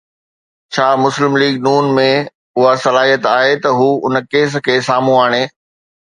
ڇا مسلم ليگ ن ۾ اها صلاحيت آهي ته هو ان ڪيس کي سامهون آڻي؟